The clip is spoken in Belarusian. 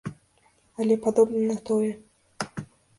Але падобна на тое.